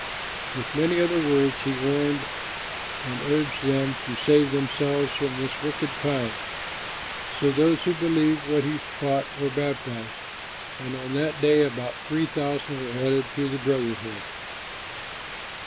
With many other words he warned and urged them to save themselves from this wicked time. So those who believed what he taught were baptized; and on that day about three thousand were added to the brotherhood.